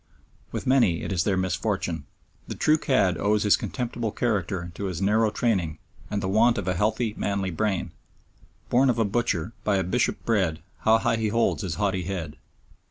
With many it is their misfortune. The true cad owes his contemptible character to his narrow training and the want of a healthy, manly brain. "Born of a butcher, by a bishop bred, how high he holds his haughty head!"